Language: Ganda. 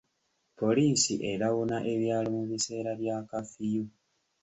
Poliisi erawuna ebyalo mu biseera bya kafiyu.